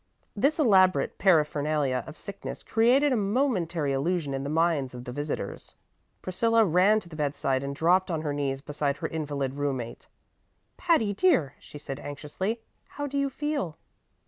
This elaborate paraphernalia of sickness created a momentary illusion in the minds of the visitors. Priscilla ran to the bedside and dropped on her knees beside her invalid room mate. "Patty dear," she said anxiously, "how do you feel?"